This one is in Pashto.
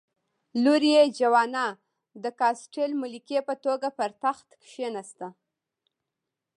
لور یې جوانا د کاسټل ملکې په توګه پر تخت کېناسته.